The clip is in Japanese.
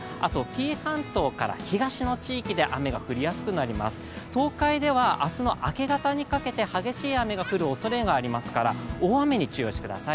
紀伊半島から東の地域で雨が降りやすくなります、東海では明日の明け方にかけて、激しい雨が降るおそれがありますから大雨に注意をしてください。